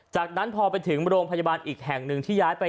จากนั้นพอไปถึงโรงพยาบาลอีกแห่งหนึ่งที่ย้ายไป